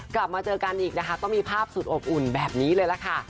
กลับมาเจอกันอีกนะคะก็มีภาพสุดอบอุ่นแบบนี้เลยล่ะค่ะ